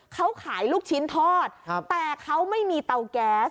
เขาขายลูกชิ้นทอดแต่เขาไม่มีเตาแก๊ส